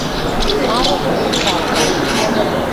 Марыжым тымдалта.